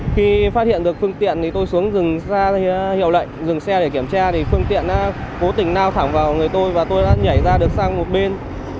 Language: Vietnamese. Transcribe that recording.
khi phát hiện được phương tiện thì tôi xuống dừng ra hiệu lệnh dừng xe để kiểm tra thì phương tiện đã cố tình lao thẳng vào người tôi và tôi đã nhảy ra được sang một bên